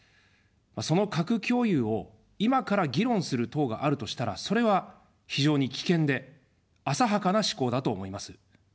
その核共有を今から議論する党があるとしたら、それは非常に危険で、浅はかな思考だと思います。